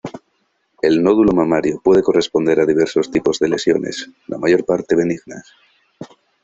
El nódulo mamario puede corresponder a diversos tipos de lesiones, la mayor parte benignas.